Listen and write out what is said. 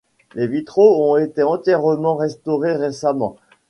Les vitraux ont été entièrement restaurés récemment.